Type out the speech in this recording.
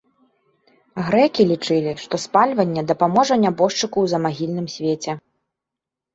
Грэкі лічылі, што спальванне дапаможа нябожчыку ў замагільным свеце.